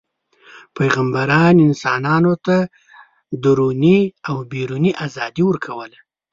پیغمبران انسانانو ته دروني او بیروني ازادي ورکوله.